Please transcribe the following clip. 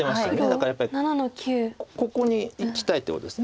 だからやっぱりここにいきたいってことです